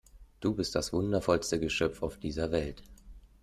Du bist das wundervollste Geschöpf auf dieser Welt!